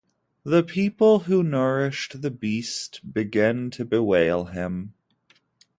The people who nourished the beast begin to bewail him.